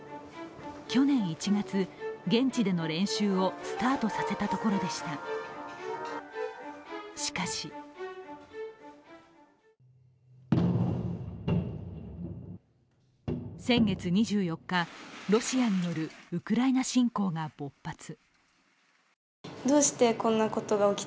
去年１月、現地での練習をスタートさせたところでした、しかし先月２４日、ロシアによるウクライナ侵攻が勃発。